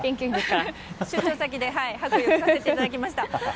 出張先で白衣を着させていただきました。